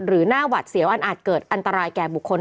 หน้าหวัดเสียวอันอาจเกิดอันตรายแก่บุคคล